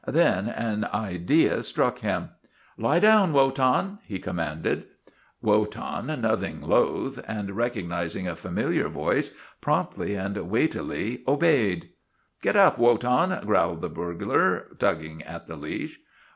Then an idea struck him. 1 Lie down, Wotan !'' he commanded. Wotan, nothing loath, and recognizing a familiar voice, promptly and weightily obeyed. " Get up, Wotan! " growled the burglar, tugging at the leash.